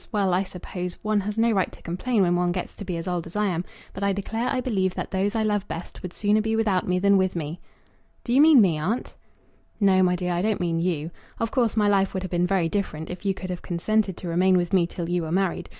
Well, I suppose one has no right to complain when one gets to be as old as I am; but I declare I believe that those I love best would sooner be without me than with me." "Do you mean me, aunt?" "No, my dear, I don't mean you. Of course my life would have been very different if you could have consented to remain with me till you were married.